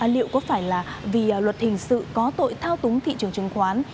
liệu có phải là vì luật hình sự có tội thao túng thị trường chứng khoán